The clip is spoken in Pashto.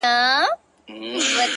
ستا هغه رنگين تصوير”